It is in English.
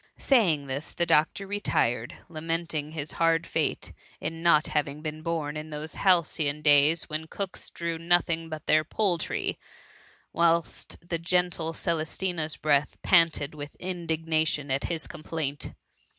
^ Saying this the doctor retired, lamenting his THE MUMMT. 187 hard fate in not having been born in those hal cyon days when cooks drew nothing but their poultry ; whilst the gentle Celestina^s breast panted with indignation at his complaint.